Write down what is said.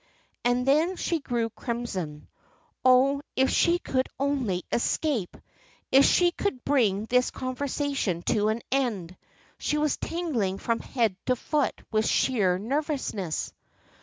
And then she grew crimson. Oh, if she could only escape! If she could bring this conversation to an end! She was tingling from head to foot with sheer nervousness.